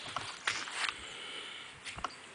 Lanzado desde Argentina, su país de origen.